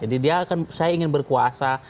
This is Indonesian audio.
jadi dia akan saya ingin berkuasa